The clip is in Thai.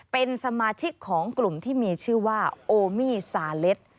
เป็นสมาชิกของกลุ่มที่มีชื่อว่าโอมี่ซาเล็ด